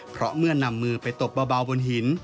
เพราะเมื่อนำมือไปตบเบาบนหิน